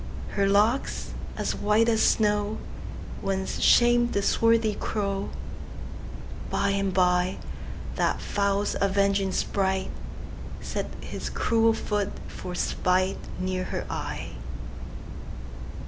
Her locks, as white as snow, Once sham'd the swarthy crow:By and byThat fowl's avenging spriteSet his cruel foot for spiteNear her eye.